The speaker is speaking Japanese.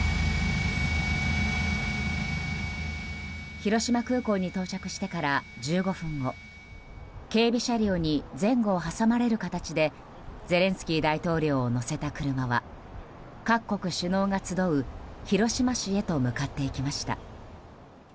広島空港に到着してから１５分後警備車両に前後を挟まれる形でゼレンスキー大統領を乗せた車は各国首脳が集う広島市へと向かっていきました。